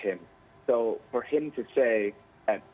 jadi untuk dia mengatakan bahwa